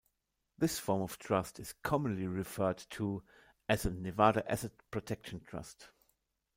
This form of trust is commonly referred to as a "Nevada Asset Protection Trust".